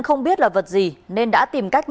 không biết là vật gì nên đã tìm cách